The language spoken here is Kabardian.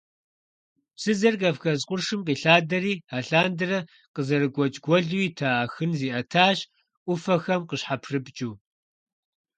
Псыдзэр Кавказ къуршым къилъадэри, алъандэрэ къызэрыгуэкӀ гуэлу ита Ахын зиӀэтащ, Ӏуфэхэм къыщхьэпрыпкӀыу.